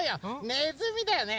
ネズミだよね？